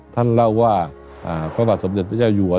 ท่านเล่าว่าพระบาทสมเด็จพระเจ้าอยู่หัว